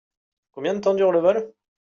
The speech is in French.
Combien de temps dure le vol ?